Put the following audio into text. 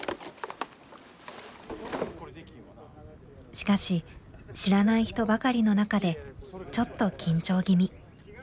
しかし知らない人ばかりの中でちょっと緊張気味。